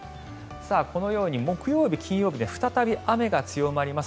このように木曜日、金曜日再び雨が強まります。